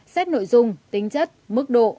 xét nội dung tính chất mức độ